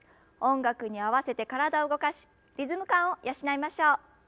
音楽に合わせて体を動かしリズム感を養いましょう。